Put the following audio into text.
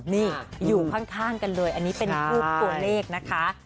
นี่อยู่ข้างกันเลยอันนี้เป็นทูบตัวเลขนะคะ